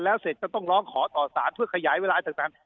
แล้วเสร็จจะต้องร้องขอต่อสารเพื่อขยายเวลาอย่างต่าง